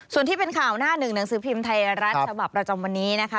ส่วนที่เป็นข่าวหน้าหนึ่งหนังสือพิมพ์ไทยรัฐฉบับประจำวันนี้นะคะ